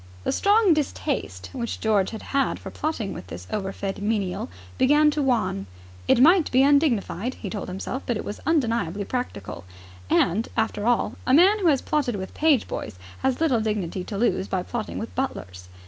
The strong distaste which George had had for plotting with this overfed menial began to wane. It might be undignified, he told himself but it was undeniably practical. And, after all, a man who has plotted with page boys has little dignity to lose by plotting with butlers.